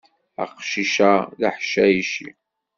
Aqcic-a d aḥcayci.